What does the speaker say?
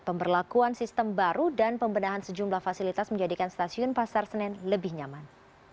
pemberlakuan sistem baru dan pembenahan sejumlah fasilitas menjadikan stasiun pasar senen lebih nyaman